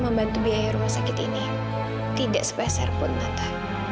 membantu biaya rumah sakit ini tidak sebesar pun tante